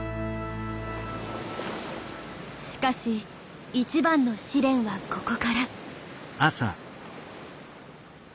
しかし一番の試練はここから。